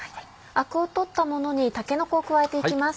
アクを取ったものにたけのこを加えていきます。